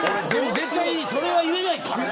絶対、それは言えないからね。